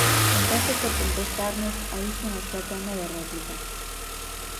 Empece por contestarnos a iso na súa quenda de réplica.